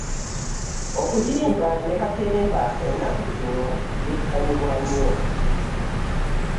Okuyimba ne katemba ennaku zino byettanirwa nnyo.